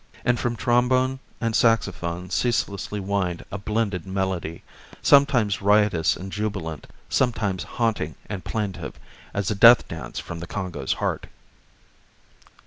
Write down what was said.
And from trombone and saxaphone ceaselessly whined a blended melody, sometimes riotous and jubilant, sometimes haunting and plaintive as a death dance from the Congo's heart.